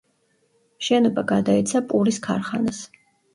შენობა გადაეცა პურის ქარხანას.